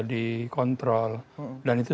dikontrol dan itu